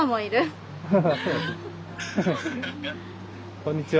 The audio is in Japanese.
こんにちは。